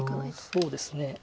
そうですね。